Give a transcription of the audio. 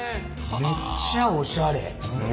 めっちゃおしゃれ。